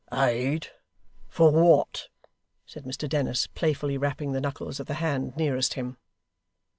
'Aid! For what!' said Mr Dennis, playfully rapping the knuckles of the hand nearest him.